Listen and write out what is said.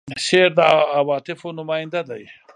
شعر د عواطفو نماینده دی.